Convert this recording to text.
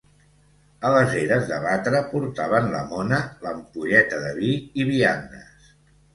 A les eres de batre portaven la mona, l'ampolleta de vi i viandes.